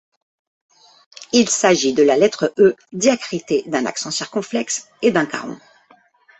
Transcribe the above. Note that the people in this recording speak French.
Il s'agit de la lettre E diacritée d'un accent circonflexe et d’un caron.